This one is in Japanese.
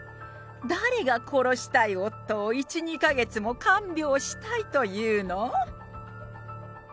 誰が殺したい夫を１、２か月も看病したいというの？